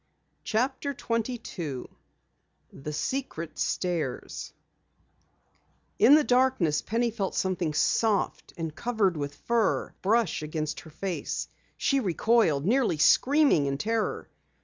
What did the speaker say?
CHAPTER 22 THE SECRET STAIRS In the darkness, Penny felt something soft and covered with fur brush against her face. She recoiled, nearly screaming in terror.